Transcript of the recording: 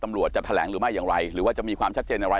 ตำรวจจะแถลงหรือไม่อย่างไรหรือว่าจะมีความชัดเจนอะไร